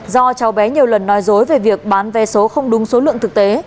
do cháu bé nhiều lần nói dối về việc bán vé số không đúng số lượng thực tế